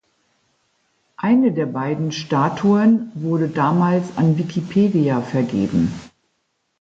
Eine der beiden Statuen wurde damals an Wikipedia vergeben.